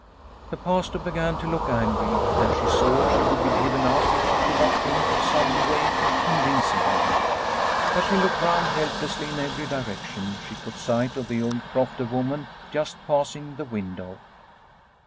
The Pastor began to look angry, and she saw she would be driven out if she could not think of some way of convincing him. As she looked round helplessly in every direction, she caught 240 Liliecrona's Home sight of the old crofter woman just passing the window.